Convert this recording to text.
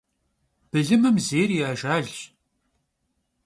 Bılımım zêyr yi ajjalş.